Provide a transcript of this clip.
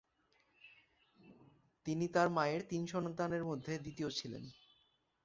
তিনি তার মায়ের তিন সন্তানের মধ্যে দ্বিতীয় ছিলেন।